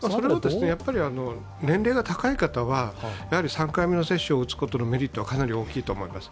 年齢が高い方は３回目を打つことのメリットはかなり大きいと思います。